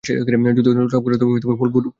যদি অনুতাপ কর, ফল ভোগ করিতে হইবে।